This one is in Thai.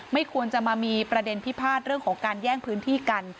ไม่ควรจะมามีประเด็นพิพาทเรื่องของการแย่งพื้นที่กัน